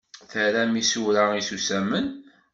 Tram isura isusamen?